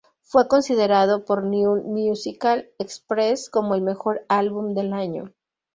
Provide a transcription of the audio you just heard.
Fue considerado por New Musical Express como el mejor álbum del año.